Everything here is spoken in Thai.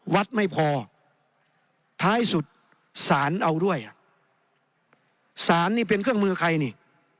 วัดไม่พอท้ายสุดสารเอาด้วยอ่ะสารนี่เป็นเครื่องมือใครนี่